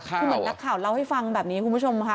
คือเหมือนนักข่าวเล่าให้ฟังแบบนี้คุณผู้ชมค่ะ